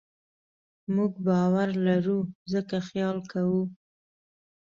موږ باور لرو؛ ځکه خیال کوو.